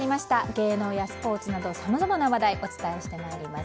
芸能やスポーツなどさまざまな話題お伝えしてまいります。